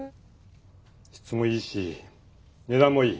質もいいし値段もいい。